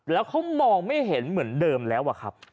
แล้วเขามองไม่เห็นเหมือนเดิมแล้วอะครับ